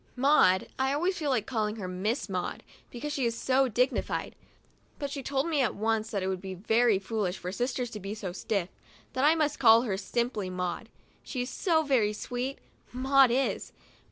Maud — I a Ways feel like calling her Miss Maud, because she is so dignified ; but she told me at once that it would be very foolish for sisters to be so stiff — that I must call her simply Maud. She is so very sweet, Maud is!